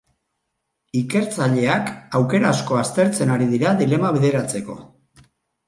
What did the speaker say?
Ikertzaileak aukera asko aztertzen ari dira dilema bideratzeko.